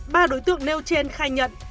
ba đối tượng nêu trên khai nhận